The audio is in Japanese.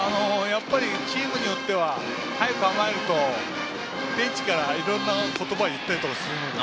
チームによっては早く構えるとベンチからいろんな言葉を言ったりします。